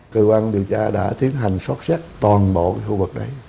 cơ quan điều tra đã tiến hành xót xét toàn bộ khu vực đấy